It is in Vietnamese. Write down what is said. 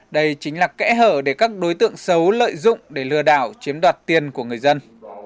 đây chính là kẽ hở để các đối tượng xấu lợi dụng để lừa đảo chiếm đoạt tiền của người dân